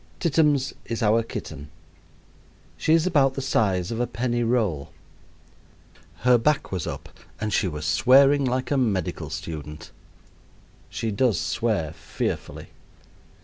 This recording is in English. Tittums is our kitten. She is about the size of a penny roll. Her back was up and she was swearing like a medical student. She does swear fearfully.